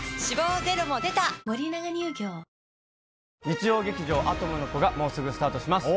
日曜劇場「アトムの童」がもうすぐスタートします